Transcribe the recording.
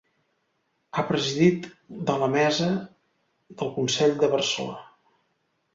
Ha presidit de la Mesa del Consell de Barcelona.